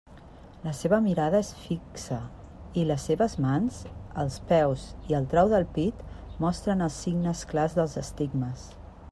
La seva mirada és fi xa, i les seves mans, els peus i el trau del pit mostren els signes clars dels estigmes.